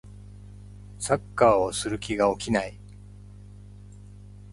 サッカーをする気が起きない